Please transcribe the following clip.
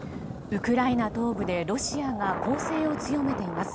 ウクライナ東部でロシアが攻勢を強めています。